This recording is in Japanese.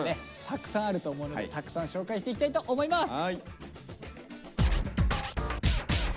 たくさんあると思うのでたくさん紹介していきたいと思います。